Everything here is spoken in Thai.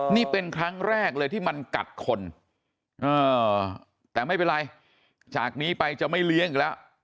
นี่เป็นครั้งแรกเลยที่มันกัดคนแต่ไม่เป็นไรจากนี้ไปจะไม่เลี้ยงอีกแล้ว